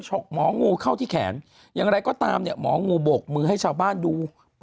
หมองูเข้าที่แขนอย่างไรก็ตามเนี่ยหมองูโบกมือให้ชาวบ้านดู